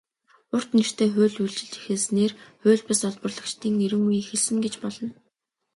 "Урт нэртэй хууль" үйлчилж эхэлснээр хууль бус олборлогчдын эрин үе эхэлсэн гэж болно.